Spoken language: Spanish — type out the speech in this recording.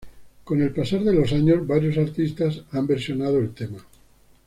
Con el pasar de los años varios artistas han versionado el tema.